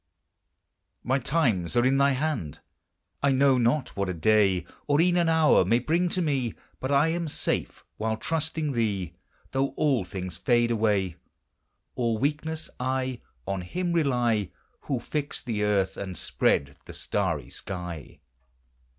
My times are in thy hand! I know not what a day Or e'en an hour may bring to me, But I am safe while trusting thee, Though all things fade away. All weakness, I On him rely Who fixed the earth and spread the starry sky.